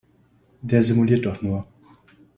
Der simuliert doch nur!